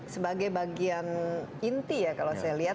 sebagai bagian inti ya kalau saya lihat